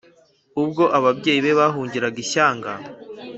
ubwo ababyeyi be bahungiraga ishyanga.